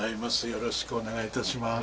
よろしくお願いします